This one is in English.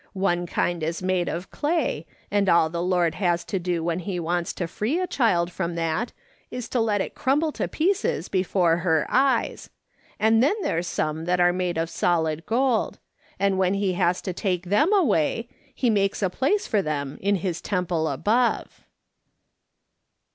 One kind is made of clay, and all the Lord has to do when he wants to free a child from that, is to let it crumble to pieces before her eyes ; and there's some that are made of solid gold ; and when he has to take them away, lie makes a place for them in his temple above."